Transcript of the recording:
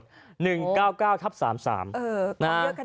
มาเยอะขนาดนี้เหมาะกับการอยู่อาศัยคม